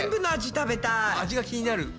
味が気になる。